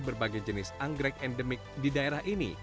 berbagai jenis anggrek endemik di daerah ini